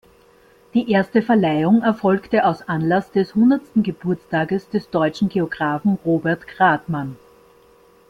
Die erste Verleihung erfolgte aus Anlass des hundertsten Geburtstages des deutschen Geographen Robert Gradmann.